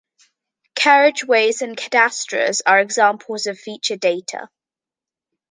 Carriageways and cadastres are examples of feature data.